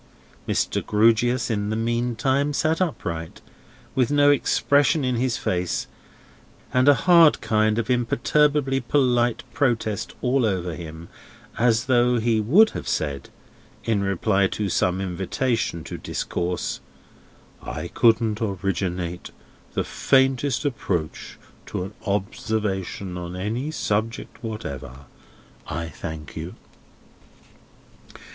Mr. Grewgious in the meantime sat upright, with no expression in his face, and a hard kind of imperturbably polite protest all over him: as though he would have said, in reply to some invitation to discourse; "I couldn't originate the faintest approach to an observation on any subject whatever, I thank you."